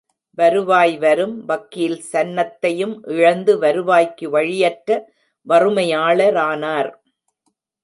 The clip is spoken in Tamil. வருவாய் வரும் வக்கீல் சன்னத்தையும் இழந்து வருவாய்க்கு வழியற்ற வறுமையாளரானார்.